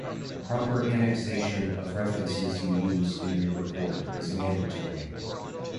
Proper annexation of references you used in your report is mandatory.